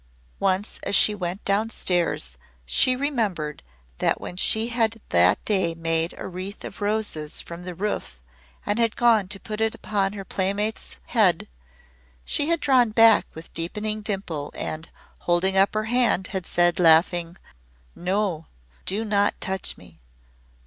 Once as she went down stairs she remembered that when she had that day made a wreath of roses from the roof and had gone to put it on her playmate's head, she had drawn back with deepened dimple and, holding up her hand, had said, laughing: "No. Do not touch me."